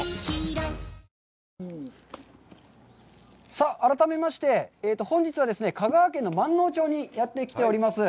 さあ、改めまして、本日は香川県のまんのう町にやってきております。